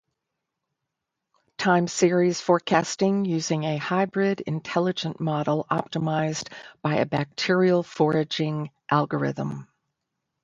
Time series forecasting using a hybrid intelligent model optimized by a bacterial foraging algorithm.